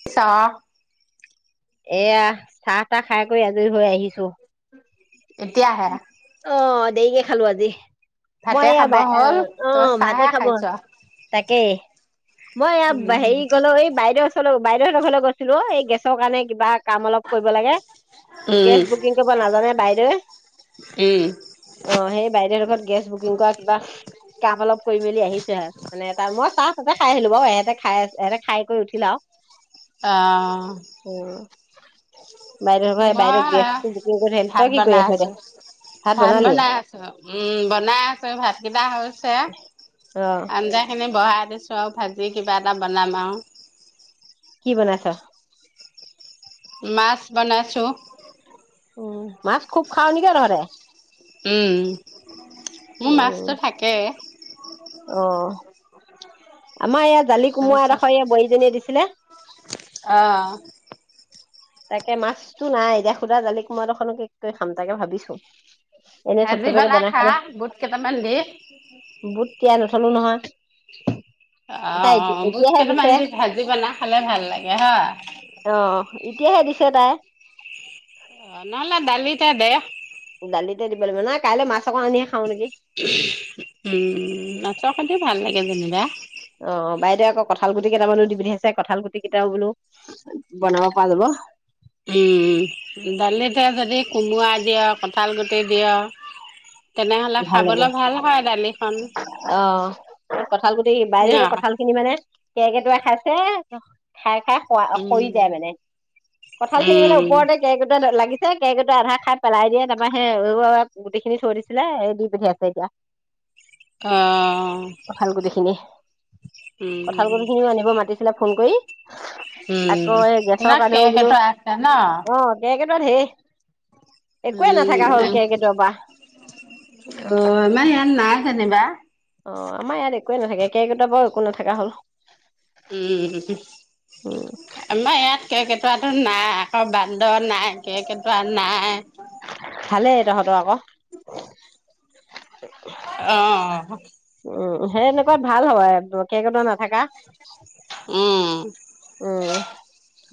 [unintelligible] এয়া চাহ-তাহ খাই কৰি আজৰি হৈ আহিছো। এতিয়াহে। অ', দেৰীকে খালো আজি। ভাতে মই এয়া খাব বা হ'ল তই অ', ভাতে চাহে খাব খাইছ তাকেই। মই উম ইয়া হেৰি গ'লো এই বাইদেউ বাইদেউহঁতৰ ঘৰলৈ গৈছিলো এই গেছৰ কাৰণে, কিবা কাম অলপ কৰিব লাগে। গেছ বুকিং কৰিব নাজানে বাইদেউৱে। উম। অ', সেই বাইদেউহতৰ ঘৰত গেছ বুকিং কৰা কিবা কাম অলপ কৰি মেলি আহিছো হে। মানে এটা মই চাহ তাতে খাই আহিলো বাৰু ইহঁতে খাই সেহতে খাই কৰি উঠিলে আৰু। অহ। অ বাইদেউ ঘৰ বাইদেউ ময় এইয়া গেছটো বুকিং কৰি থৈ আহিলো তই ভাত কি কৰি বনাই আছ এতিয়া আছো। ভাত বনাই আছো উম, বনাই আছো ভাত কেইটা হৈছে। অ আঞ্জা খিনি বঢ়াই দিছো আৰু ভাজি কিবা এটা বনাম আৰু। কি বনাইছ? মাছ বনাইছোঁ। উম, মাছ খুব খাও নেকি অ', তহতে? উম, মোৰ উম মাছতো থাকেই। অ'। [inaudible] আমাৰ এইয়া জালি কোমোৰা তাৰপিছত এডোখৰ বোৱাৰীজনীয়ে দিছিলে। অ'। তাকে মাছতো নাই, এতিয়া শুদা জালি কোমাৰা দুখৰকেনো কি কৰি খাম তাকে ভাবিছো। এনে ভাজি থপথপীয়াকে বনাই খা, খালে বুট কেইটামান দি। বুট তিয়াই নথলো নহয়। তাই অ', এতিয়া অ', বুট এতিয়াহে কেইটামান দিছে দি ভাজি বনাই খালে ভাল লাগে হয়। অ', এতিয়াহে দিছে তাই। অ', নহ'লে দালিতে দে। দালিতে দিব লাগিব নহয় কাইলৈ মাছ অকণ আনিহে খাওঁ নেকি উম মাছৰ হতিও ভাল লাগে যেনিবা অ বাইদেউ আকৌ কঁঠাল গুটি কেইটামানো দি পিঠাইছে কঁঠাল গুটি কেইটাও বোলো বনাব পৰা যাব উম দালিতে যদি কোমোৰা দিয় কঁঠাল গুটি দিয় তেনেহলে খাবলে ভাল হয় দালিকণ অ কঁঠাল গুটি ন বাইদেউহঁতৰ কঁঠাল খিনি মানে কেৰ্কেটুৱাই খাইছে খাই খাই সৰা সৰি উম, যায় মানে কঁঠাল খিনি মানে উম, ওপৰতে কেৰ্কেটুৱা লাগিছে কেৰ্কেটুৱাই আধা খাই পেলাই দিয়ে তাৰপৰা সে এৰুৱাই এৰুৱাই গুটিখিনি থৈ দিছে ছিলে এই দি পঠিয়াইছে এতিয়া অ উম, কঁঠালগুটি খিনিও আনিব মাতিছিলে ফোন কৰি উম। আকৌ এই গেছৰ তোমাৰ কাৰনেও কেক বোলো এটা আছে ন? অ কেৰ্কেটুৱা ঢেৰ একোৱেই উম, নাথাকা হ'ল কেৰ্কেটুৱাৰ পা অ আমাৰ ইয়াত নাই যেনিবা অ আমাৰ ইয়াত একোৱে নাথাকে কেৰ্কেটুৱাৰ পৰাও একো নাথাকা হ'ল উম উম আমাৰ ইয়াত কেৰকেটুৱাটো নাই আকৌ বান্দৰ নাই কেৰকেটোৱা নাই ভালেই তহঁতৰ আক অ', উম সেই এনেকুৱা ভাল হয় কেৰ্কেটুৱা নাথাকা উম উম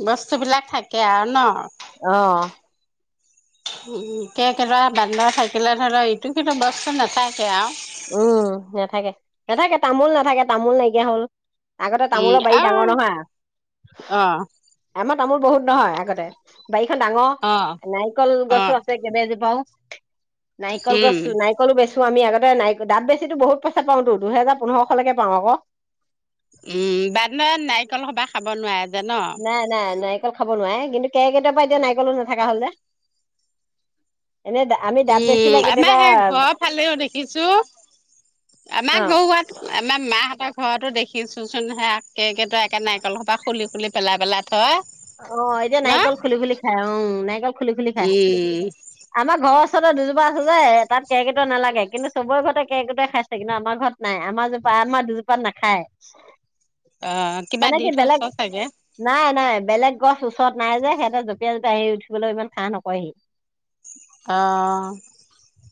বস্তু বিলাক থাকে আৰু ন অ উ কেৰ্কেটুৱা বান্দৰ থাকিলে ধৰা ইটো সিটো বস্তু নাথাকে আউ উম নাথাকে নাথাকে তামোল নাথাকে তামোল নাইকিয়া হ'ল আগতে উম, তামোলৰ বাৰী আৰু ডাঙৰ নহয় অ', আ আমাৰ তামোল বহুত নহয় আগতে বাৰিখন অ', ডাঙৰ নাৰিকল অ', গছো আছে কেবেজোপাও নাৰিকল উম। গছ নাৰিকলো বেচো আমি আগতে নাৰিক দাপ বেছিটো বহুত পইচা পাওঁ তো দুহেজাৰ পোন্ধৰশ লৈকে পাওঁ আক উম বান্দৰে নাৰিকল সপা খাব নোৱাৰে যে ন নাই নাই নাৰিকল খাব নোৱাৰে কিন্তু কেৰ্কেটুৱাৰ পৰা এতিয়া নাৰিকলো নাথাকা হল যে এনে দা উম আমাৰ সেই ঘৰ ফালেও দেখিছো অ আমাৰ গৰুৱাত আমাৰ মাহঁতৰ ঘৰতো দেখিচোন চোন সে কেৰ্কেটুৱাই একে নাৰিকলৰ সোপ খুলি খুলি পেলাই পেলাই থয় অ এতিয়া ন? নাৰিকল খুলি খুলি খায় উম নাৰিকল খুলি খুলি উম, খায় আমাৰ ঘৰৰ ওচৰততে দুজোপা আছে যে তাত কেৰ্কেটুৱা নালাগে কিন্তু চবৰে ঘৰতে কেৰ্কেটুৱা খাইছে কিন্তু আমাৰ ঘৰত নাই আমাৰ জোপা আমাৰ দুজোপাত নাখায় অ কিবা মানে দি কি বেলেগ থৈছ চাগে নাই নাই বেলেগ গছ ওচৰত নাই যে সিহঁতে জপিয়াই জপিয়াই আহি উঠিবলৈ ইমান সাঁহ নকৰেহি অ',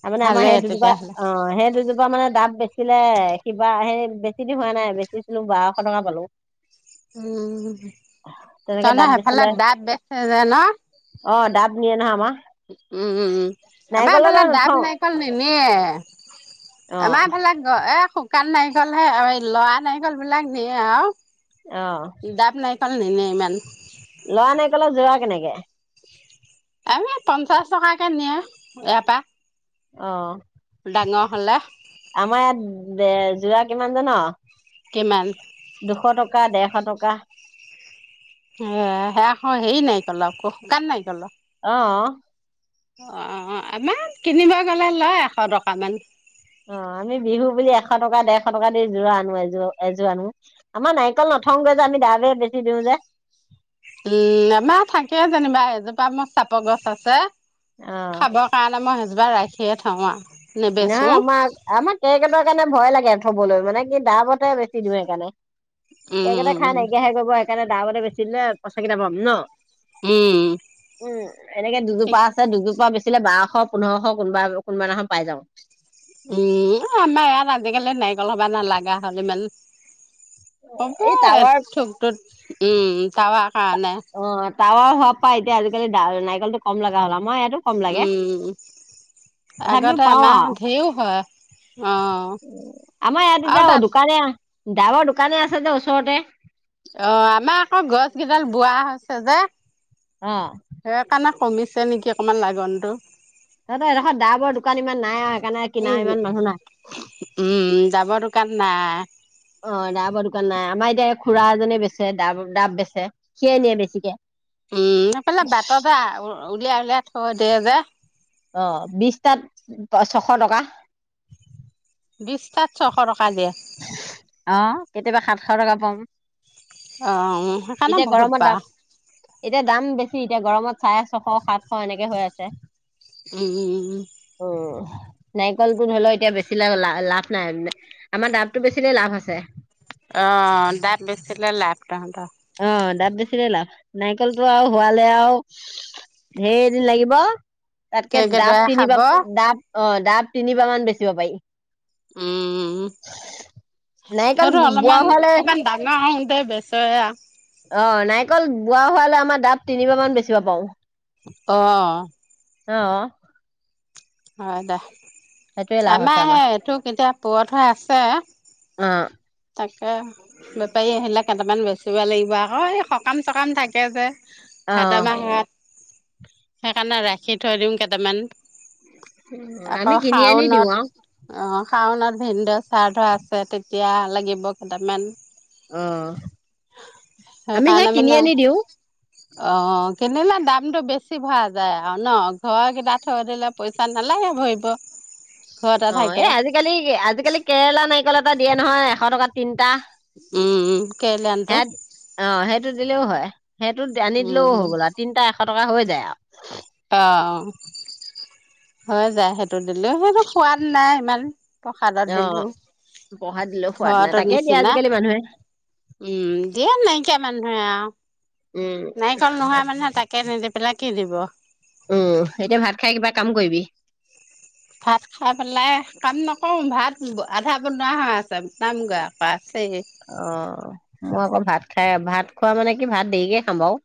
তাৰ মানে আমাৰ ভালেই সেই দুজোপা তেতিয়াহ'লে। অ সেই দুজোপা মানে দাব বেচিলে কিবা সেই বেছি দিন হোৱা নাই বেচিছিলোং বাৰশ টকা পালোং উম তেনেকে ডাব তহঁতৰ বেচিলে সেইফালে দাব বেচে যে ন অ ডাব নিয়ে নহয় আমাৰ উম উম উম আমাৰ এইফালে নাৰিকললৈ দাব নথওঁ নাৰিকল নিনিয়ে অ আমাৰ এইফালে এ শুকান নাৰিকল হে আৰু এই লৰা নাৰিকল বিলাক নিয়ে আও অ দাব নাৰিকল নেনিয়ে ইমান লৰা নাৰিকলৰ যোৰা কেনেকে? আমি পঞ্চাশ টকাকে নিয়ে, এটা অ'। ডাঙৰ হ'লে। আমাৰ ইয়াত অ' যোৰা কিমান জানো? কিমান? দুশ টকা, ডেৰশ টকা। এ, সেয়া শ হেৰি নাৰিকলৰ আকৌ, শুকান নাৰিকলৰ। অ'। অ' আমাক কিনিব গ'লে লয় এশ টকামান। অ' আমি বিহু বুলি এশ টকা, ডেৰশ টকা দি যোৰা আনো এযোৰ, এযোৰ আনো। আমাৰ নাৰিকল নথওঁগৈ যে আমি দাবে বেছি দিওঁ যে। উম, আমাৰ থাকে যেনিবা এজোপা মোৰ চাপৰ গছ আছে, অ' খাব কাৰণে মই হেজিবা ৰাখিয়ে থওঁ আৰু। নেবেচো নহয় আমাৰ, আমাৰ কেৰ্কেটুৰ কাৰণে ভয় লাগে থ'বলৈ মানে কি দাবতে বেছি দিওঁ সেইকাৰণে। উম কেৰ্কেটুৱা খাই উম নাইকিয়াহে কৰিব সেইকাৰণে দাবতে বেছি দিলে পইচা কেইটা পাম ন'। উম। উম, এনেকে ঠিক দুজোপা আছে দুজোপা বেচিলে বাৰশ, পোন্ধৰশ কোনোবা কোনোবা দিনাখন পাই যাওঁ। উম, আমাৰ ইয়াত আজিকালি নাৰিকল হ'বা নালাগে হ'ল ইমান। হ'ব এই টাৱাৰ থোকটোত উম, তাৱা কাৰণে। অ' টাৱাৰ হোৱাৰ পৰা পাই এতিয়া আজিকালি নাৰিকলটো কম লগা হ'ল আমাৰ ইয়াত উম, তথাপিও আগতে পাওঁ আমাৰ আৰু ধেৰ হয়। অ', আমাৰ ইয়াত আৰু এতিয়া তাত দোকানে, ডাৱৰ দোকানে আছে যে ওচৰতে। অ' আমাৰ আকৌ গছ কেইডাল বুঢ়া হৈছে যে। অ'। সেইকাৰণে কমিছে নেকি অকমান লাগনটো। তহঁতৰ এডোখৰত ডাবৰ দোকান ইমান নাই আৰু সেইকাৰণে কিনা উম, ইমান মানুহ নাই। উম, ডাবৰ দোকান নাই। অ' ডাবৰ দোকান নাই আমাৰ এতিয়া খুৰা এজনে বেছে ডাব, ডাব বেচে সিয়ে নিয়ে বেছিকে। উম, সেইফালে বাটতে উলিয়াই উলিয়াই থৈ দিয়ে যে। অ' বিশটাত ছশ টকা। বিশটাত ছশ টকা দিয়ে। অ' কেতিয়াবা সাতশ টকা পাম। অ' সেইকাৰণে এতিয়া বহুত গৰমত দাম পাৰ। এতিয়া দাম বেছি এতিয়া গৰমত চাৰে ছশ, সাতশ এনেকে হৈ আছে। উম। উম, নাৰিকলটো ধৰিলো এতিয়া বেছি লা-লা-লাভ নাই। আমাৰ ডাবটো বেছিলে লাভ আছে। অ' ডাব বেছিলে লাভ তহঁতৰ। অ' ডাব বেছিলে লাভ, নাৰিকলটো আৰু হোৱালে আৰু ধেৰ এদিন লাগিব, তাতকে ডাব কেৰ্কেটুৱাই খাব তিনিবা ডাব অ' ডাব তিনিবাৰ মান বেচিব পাৰি। উম, নাৰিকল সেইটো বোৱা অলপমান হোৱালে [unintelligible] ডাঙৰ হওঁতে বেচে আৰ। অ' নাৰিকল বুঢ়া হোৱালৈ আমাৰ ডাব তিনিবাৰ মান বেচিব পাওঁ। অ'। অ'। হয়, দে সেইটোৱে লাভ আছে আমাৰ হে এথোক এতিয়া পুৰথ হৈ আছে। অ'। তাকে বেপাৰী আহিলে কেইটামান বেচিব লাগিব, আকৌ এই সকাম-চকাম থাকে যে। অ ভাদ মাহ হত সেইকাৰণে ৰাখি থৈ দিম কেইটামান। আমি আকৌ কিনি আনি দিওঁ আৰু শাওনত। অ', শাওনাত ভিনদ শ্ৰাদ্ধ আছে, তেতিয়া লাগিব কেইটামান। অ আমি সেই সেইকাৰণে কিনি মানে আনি দিওঁ অ', কিনিলে দামতটো বেছি ভৰা যায় আৰু ন' ঘৰ কেইটা থৈ দিলে পইচা নালাগে ভৰিব। [inaudible] ঘৰতে অ', থাকে এই আজিকালি আজিকালি কেৰেলা নাৰিকল এটা দিয়ে নহয়, এশ টকা তিনটা। উম, সেয়া কেৰেলিয়ানটো। অ', সেইটো দিলেও হয়, সেইটো আনি উম দিলেও হৈ উম গ'ল আৰু তিনটা এশ টকা হৈ যায় আৰু। অ', হৈ যায় সেইটো দিলেও, সেইটো সোৱাদ নাই ইমান। প্ৰসাদত অ দিলেও, পঢ়া দিলেও সোৱাদ নাই ঘৰটোৰ তাকে দিয়ে নিচিনা। আজিকালি মানুহে উম, দিয়ে নাইকিয়া মানুহে আৰু উম নাৰিকল নোহোৱা মানুহে তাকে তাকে নিদি পেলাই কি দিব। উম, এতিয়া ভাত খাই কিবা কাম কৰিবি? ভাত খাই পেলাই কাম নকৰোঁ, ভাত আধা বনোৱা হৈ আছে বনামগৈ আকৌ আছেই। অ', মই আকৌ ভাত খাই ভাত খোৱা মানে কি ভাত দেৰিকে খাম বাৰু।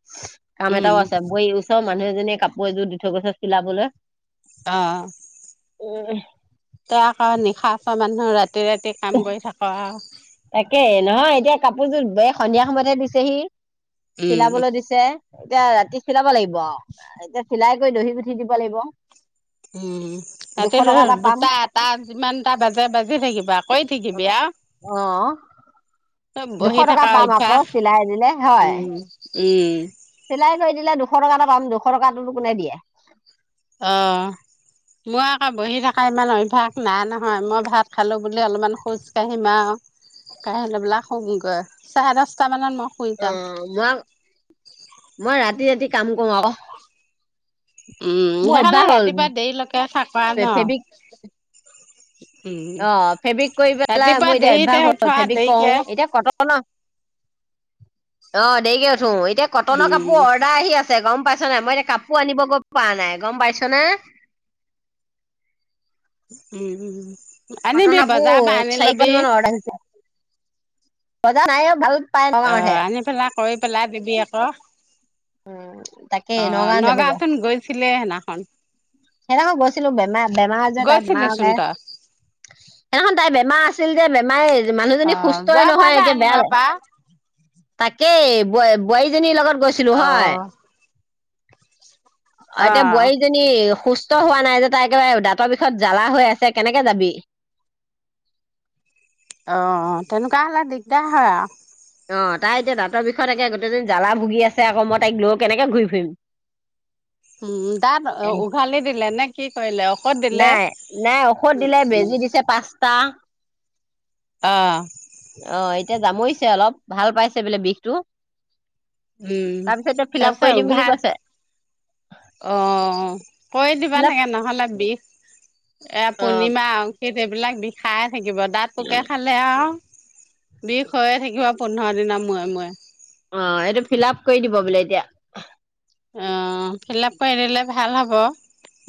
কাম উম এটাও আছে বই ওচৰ মানুহ এজনীয়ে কাপোৰ এযোৰ দি থৈ গৈছে চিলাবলৈ। অ'। উম। তই আকৌ নিশাচৰ মানুহ ৰাতি ৰাতি কাম কৰি থাকা আৰু। তাকে নহয়, এতিয়া কাপোৰযোৰ ব সন্ধিয়া সময়হে দিছেহি উম চিলাবলৈ দিছে। এতিয়া ৰাতি চিলাব লাগিব আৰু এতিয়া চিলাই কৰি দহি গুঠি দিব লাগিব। উম, দুশ ৰাতি টকা এটা পাম দুটা এটা যিমানটা বাজে বাজি থাকিব আকৌ। অ', আহ। দুশ বহি টকা থকা পাম আকৌ অভ্যাস চিলাই দিলে হয়। উম উম চিলাই কৰি দিলে দুশ টকা এটা পাম, দুশ টকাটো কোনে দিয়ে। অ'। মই আকৌ বহি থকা ইমান অভ্য়াস নাই নহয়, মই ভাত খালো বুলি অলপমান খোজ কাঢ়িম আৰু। খোজ কাঢ়ি লৈ পেলাই শুমগৈ, চাৰে দহটামানত মোক অ', মই মই ৰাতি ৰাতি কাম কৰো আকৌ। উম, মোৰ সেইকাৰণে অভ্যাস হ'ল ৰাতিপুৱা দেৰিলৈকে থাকা ফেব্ৰিক ন'! উম অ', ফেব্ৰিক কৰি পেলাই ৰাতিপুৱা মোৰ এতিয়া দেৰিতে অভ্যাস হ'ল, উঠোৱা ফেব্ৰিক কৰোঁ, দেৰিকে এতিয়া কটন অ', দেৰিকে উঠো এতিয়া কটনৰ উম কাপোৰ অৰ্ডাৰ আহি আছে আছে গ'ম পাইছ নাই মই এতিয়া কাপোৰ আনিব গৈ পাৰা নাই গ'ম পাইছনে? উম, কটন আনিবি বজাৰ পৰা কাপোৰ আনি চাৰি লবি। [unintelligible] [unintelligible] অ', আনি পেলাই কৰি পেলাই দিবি আকৌ। তাকে অ, নগাঁৱত যাবগে চোন গৈছিলিয়ে সেইদিনাখন। সেইদিনাখন গৈছিলোঁ বেমাৰ বেমাৰ আজাৰ তাই বেমাৰ গৈছিলিচোন ওলায়। তই সেইনাখন তাই বেমাৰ আছিল যে বেমাৰ অ মানুহজনী যোৱা সুস্থই নহয় বাৰতে এতিয়া আনিব বেয়া লাগে। পাৰা তাকেই ব বোৱাৰীজনীৰ লগত গৈছ অ'। এতিয়া অ', বোৱাৰীজনী সুস্থ হোৱা নাই যে, তাই একেবাৰে দাঁতৰ বিষত জ্বালা হৈ আছে কেনেকে যাবি? অঁ তেনেকুৱা হ'লে দিগদাৰ হয় আৰু। অ' তাই এতিয়া দাঁতৰ বিষত একে গোটেই দিন জ্বালা ভুগি আছে আকৌ, মই তাইক লৈ কেনেকে ঘূৰি ফুৰিম। উম, দাত এ উভালি দিলে নে কি কৰিলে? ঔষধ দিলে? নাই, নাই ঔষধ দিলে বেজি দিছে পাঁচটা। অ'। অ' এতিয়া যামৰিছে অলপ, ভাল পাইছে বোলে বিষটো। উম, তাৰপিছত এতিয়া ফিলাপ কৰি দিম বুলি কৈছে। অঁ কৰি দিবা ফিল আপ লাগে, নহ'লে বিষ এইয়া অ পূৰ্ণিমা আ'ও সিত এইবিলাক বিষাই থাকিব। দাঁত পোকে খালে আৰু বিষ হৈয়ে থাকিবা পোন্ধৰ দিনৰ মূৰে মূৰে। অ' এইটো ফিলাপ কৰি দিব বোলে এতিয়া। অ' ফিলাপ কৰি দিলে ভাল হ'ব।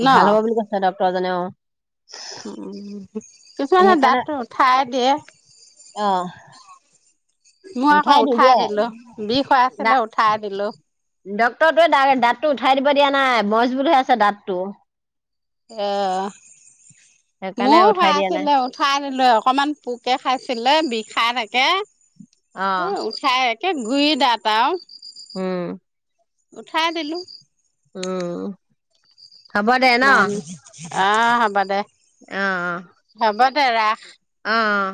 ন ভাল হ'ব বুলি কৈছে ডক্তৰ জনে অ'। উ কিছুমানে সেইকাৰণে দাঁতটো উঠাই দিয়ে। অ'। মই আকৌ উঠাই দিলো, বিষ হৈ দা আছিলে উঠাই দিলো। ডক্তৰটোৱে দাঁতটো উঠাই দিব দিয়া নাই মজবুত হৈ আছে দাঁতটো। অ' সেইকাৰণে মোৰো উঠাই দিয়া নাই সৰাইছিলো। উঠাই দিলো, অকমান পোকে খাইছিলে বিষাই থাকে। অ'। ঠাই একে গুৰি দাত আৰু। উম। উঠাই দিলো। উম। হ'ব দে ন অ' হ'ব দে। অ', অ'। হ'ব দে ৰাখ। অ'।